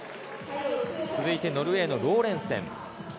続いてノルウェーのローレンセン。